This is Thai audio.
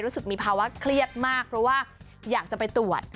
รู้สึกมีภาวะเครียดมากเพราะว่าอยากจะไปตรวจ